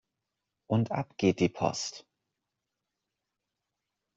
Und ab geht die Post!